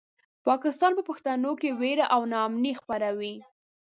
پاکستان په پښتنو کې وېره او ناامني خپروي.